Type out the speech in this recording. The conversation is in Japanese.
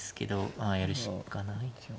まあやるしかない。